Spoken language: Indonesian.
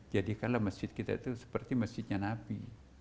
jadikanlah masjid kita itu seperti masjidnya nabi